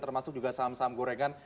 termasuk juga saham saham gorengan